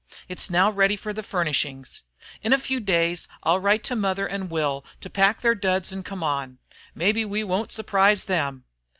It's now ready for the furnishings. In a few days I'll write to mother and Will to pack their duds and come on. Maybe we won't surprise them!